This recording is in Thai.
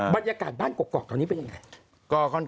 บรรยากาศบ้านกรอกตอนนี้เป็นยังไง